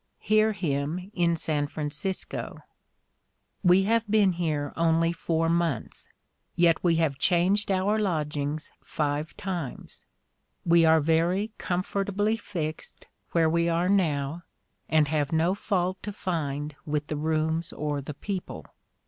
Hear him in San Francisco: "We have been here only four months, yet we have changed our lodgings five times. We are very comfortably fixed where we are now and have no fault to find with the rooms or the people.